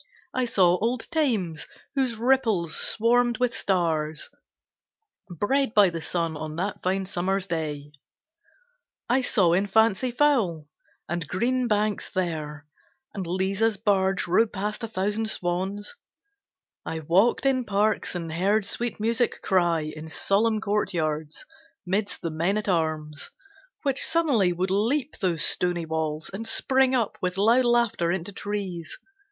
I saw old Thames, whose ripples swarmed with stars Bred by the sun on that fine summer's day; I saw in fancy fowl and green banks there, And Liza's barge rowed past a thousand swans. I walked in parks and heard sweet music cry In solemn courtyards, midst the men at arms; Which suddenly would leap those stony walls And spring up with loud laughter into trees.